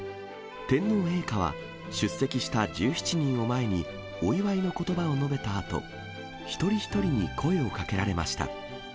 天皇陛下は、出席した１７人を前に、お祝いのことばを述べたあと、一人一人に声をかけられました。